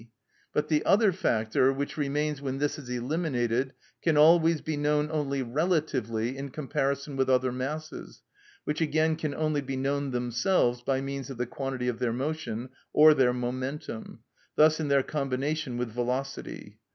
But the other factor, which remains when this is eliminated, can always be known only relatively in comparison with other masses, which again can only be known themselves by means of the quantity of their motion, or their momentum, thus in their combination with velocity.